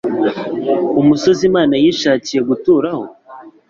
umusozi Imana yishakiye guturaho?